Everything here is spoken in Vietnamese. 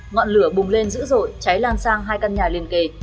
ngọn lửa bùng lên dữ dội cháy lan sang hai căn nhà liên kề